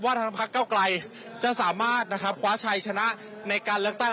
ทางพักเก้าไกลจะสามารถนะครับคว้าชัยชนะในการเลือกตั้ง